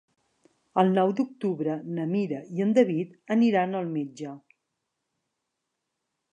El nou d'octubre na Mira i en David aniran al metge.